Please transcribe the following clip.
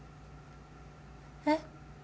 えっ？